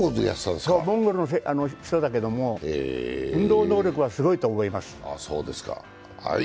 モンゴルの人だけれども、運動能力はすごいと思います。